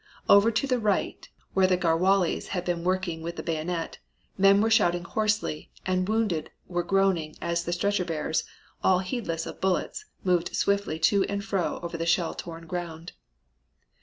Over to the right where the Garhwalis had been working with the bayonet, men were shouting hoarsely and wounded were groaning as the stretcher bearers, all heedless of bullets, moved swiftly to and fro over the shell torn ground.